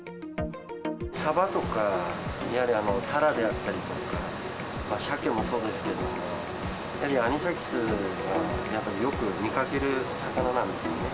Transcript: サバとか、タラであったりとか、シャケもそうですけれども、やはりアニサキスはよく見かける魚なんですよね。